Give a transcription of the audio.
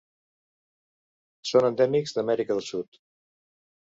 Són endèmics d'Amèrica del Sud.